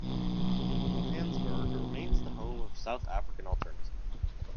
Johannesburg remains the home of South African alternative.